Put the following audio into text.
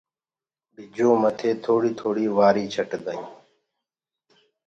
ٻجو مٿي ٿوڙي ٿوڙي وآري ڇٽدآ هين